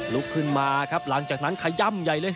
ลุกขึ้นมาครับหลังจากนั้นขย่ำใหญ่เลย